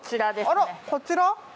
あらっこちら？